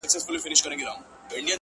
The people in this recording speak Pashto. • زما په سترگو كي را رسم كړي ـ